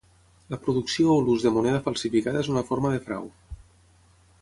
La producció o l'ús de moneda falsificada és una forma de frau.